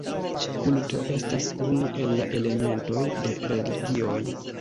Kulto estas unu el la elementoj de religioj.